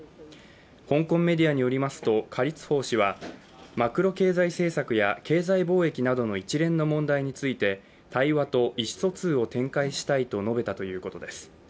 香港メディアによりますと何立峰氏はマクロ経済政策や、経済貿易などの一連の問題について対話と意思疎通を展開したいと述べたということです。